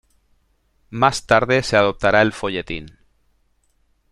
Más tarde se adoptará el folletín.